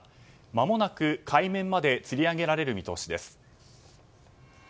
まもなく海面までつり上げられる見通しです。